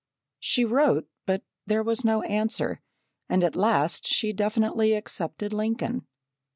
She wrote, but there was no answer and at last she definitely accepted Lincoln.